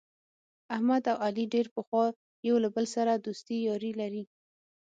احمد او علي ډېر پخوا یو له بل سره دوستي یاري لري.